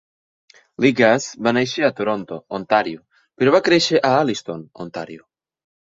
Legace va néixer a Toronto, Ontario, però va créixer a Alliston, Ontario.